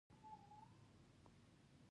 له سره تولید نه کوو.